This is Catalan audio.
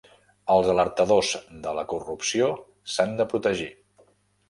Els alertadors de la corrupció s'han de protegir